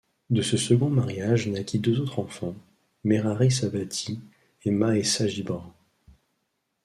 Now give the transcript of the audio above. De ce second mariage naquît deux autres enfants, Merari Sabati et Mahesa Gibran.